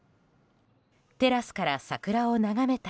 テラスから桜を眺めた